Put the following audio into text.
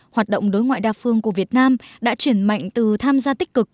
hoạt động đối ngoại đa phương của việt nam đã chuyển mạnh từ tham gia tích cực